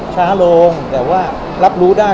ช้าลงแต่ว่ารับรู้ได้